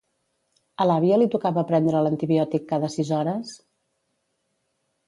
A l'àvia li tocava prendre l'antibiòtic cada sis hores?